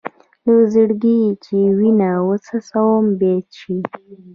له زړګي چې وینه وڅڅوم بیت شي.